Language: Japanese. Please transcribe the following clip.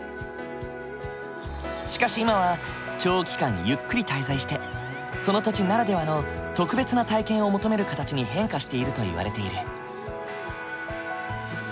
しかし今は長期間ゆっくり滞在してその土地ならではの特別な体験を求める形に変化しているといわれている。